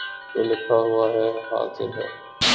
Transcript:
جو لکھا ہوا ہے حاضر ہے